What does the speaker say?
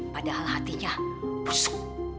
padahal hatinya pusuk